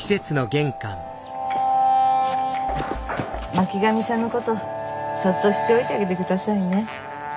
巻上さんのことそっとしておいてあげて下さいね。